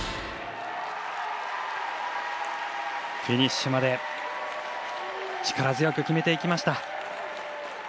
フィニッシュまで力強く決めていきました。